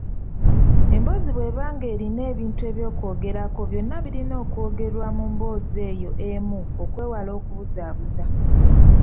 Emboozi bweba ng'erina ebintu eby’okwogerako byonna birina okwogerwa mu mboozi eyo emu okwewala okubuzaabuza.